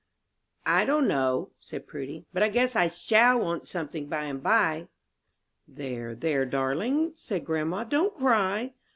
"I don't know," said Prudy, "but I guess I shall want somethin' by and by." "There, there, darling," said grandma, "don't cry."